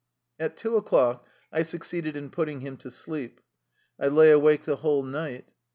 At two o'clock I succeeded in putting him to sleep. I lay awake the whole night.